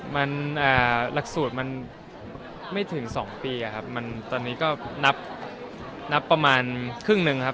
มันรักษูตรมันไม่ถึง๒ปีมันตอนนี้ก็นับประมาณครึ่ง๑ครับ